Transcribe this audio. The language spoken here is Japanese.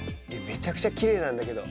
めちゃくちゃきれいなんだけど。